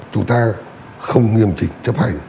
chúng ta không nghiêm trình chấp hành